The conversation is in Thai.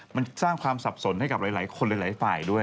มันสร้างความสับสนให้กับหลายคนหลายฝ่ายด้วย